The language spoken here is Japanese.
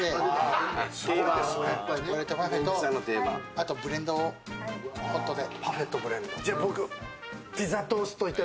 あとブレンドをホットで。